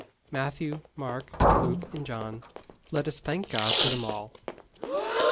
Matthew, Mark, Luke, and John let us thank God for them all.